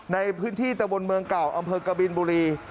ในพื้นที่ตะบนเมืองเก่าอำเภอกบินบุรี